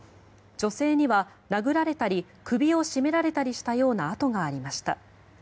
女性には殴られたり首を絞められたりしたような跡がありました。